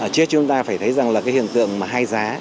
chứ chúng ta phải thấy rằng là cái hiện tượng mà hai giá